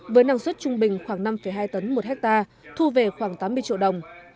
với năng suất trung bình khoảng năm hai tấn một hectare thu về khoảng tám mươi triệu đồng